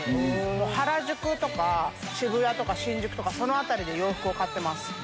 原宿とか渋谷とか新宿とかその辺りで洋服を買ってます。